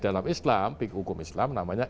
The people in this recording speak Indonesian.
dalam islam big hukum islam namanya